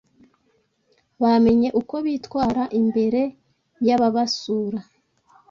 bamenye uko bitwara imbere y’ababasura